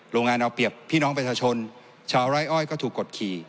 โรงงานเอาเปรียบพี่น้องประชาชนชาวไร้อ้อยก็ถูกกดขี่